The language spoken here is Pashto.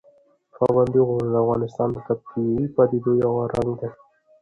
پابندی غرونه د افغانستان د طبیعي پدیدو یو رنګ دی.